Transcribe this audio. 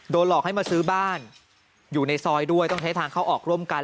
หลอกให้มาซื้อบ้านอยู่ในซอยด้วยต้องใช้ทางเข้าออกร่วมกัน